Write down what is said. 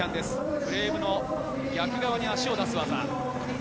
フレームの逆側に足を出す技。